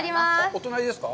お隣ですか。